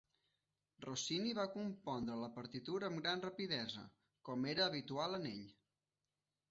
Rossini va compondre la partitura amb gran rapidesa, com era habitual en ell.